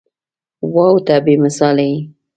واو ته بې مثاله يې.